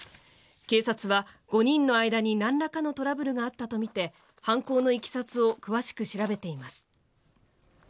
警察は、５人の間に何らかのトラブルがあったとみて犯行の経緯を詳しく調べています。